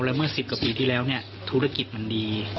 แล้วเมื่อ๑๐กว่าปีที่แล้วเนี่ยธุรกิจมันดี